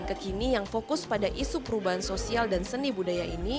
kekini yang fokus pada isu perubahan sosial dan seni budaya ini